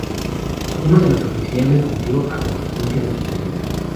Uno de los oficiales murió a consecuencia de sus heridas.